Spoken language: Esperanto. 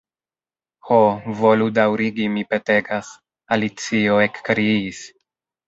"Ho, volu daŭrigi, mi petegas," Alicio ekkriis.